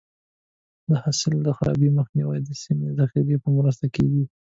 د حاصل د خرابي مخنیوی د سمې ذخیرې په مرسته کېږي.